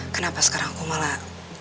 kenapa sekarang aku malah